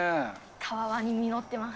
たわわに実ってます。